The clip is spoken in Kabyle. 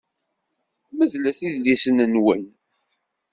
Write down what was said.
Medlet idlisen-nwen.